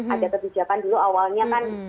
ada kebijakan dulu awalnya kan